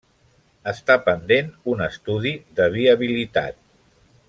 Està pendent un estudi de viabilitat.